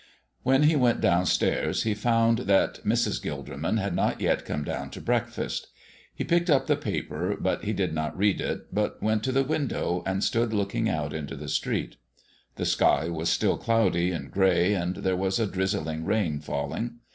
When he went down stairs he found that Mrs. Gilderman had not yet come down to breakfast. He picked up the paper, but he did not read it, but went to the window and stood looking out into the street. The sky was still cloudy and gray, and there was a drizzling rain falling.